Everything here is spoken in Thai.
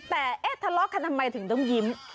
แต่เอ๊ะทะเลาะกันทำไมถึงต้องยิ้ม